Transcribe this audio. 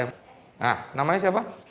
nah namanya siapa